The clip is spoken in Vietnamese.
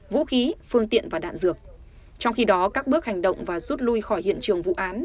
vũ khí phương tiện và đạn dược trong khi đó các bước hành động và rút lui khỏi hiện trường vụ án